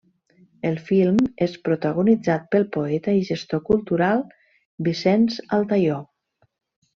El film és protagonitzat pel poeta i gestor cultural Vicenç Altaió.